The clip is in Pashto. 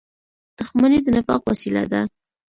• دښمني د نفاق وسیله ده.